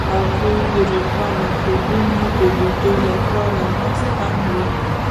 هغوی د روښانه خوبونو د لیدلو لپاره ناست هم وو.